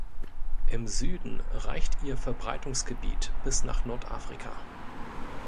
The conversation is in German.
Im Süden reicht ihr Verbreitungsgebiet bis nach Nordafrika.